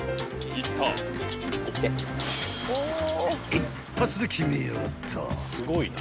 ［一発で決めやがった］